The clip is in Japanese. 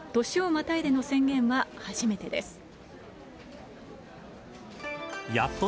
年をまたいでの宣言は初めてです。